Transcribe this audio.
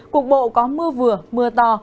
cục bộ có mưa vừa mưa to